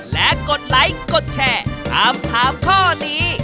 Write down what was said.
และกดไลค์กดแชร์ถามถามข้อนี้